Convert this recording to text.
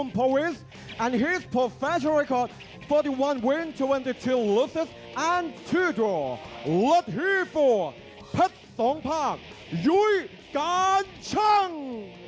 มากินกันกันกันกันกันพัชสองพักยุยกาชัง